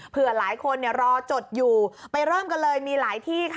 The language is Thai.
เผื่อหลายคนรอจดอยู่ไปเริ่มกันเลยมีหลายที่ค่ะ